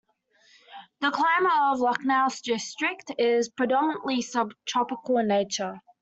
The climate of Lucknow district is predominantly subtropical in nature.